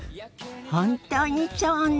本当にそうね！